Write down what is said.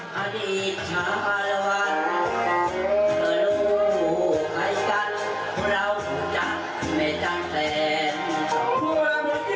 น้องมาขาบความทรงรับหูของแม่